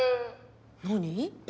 何？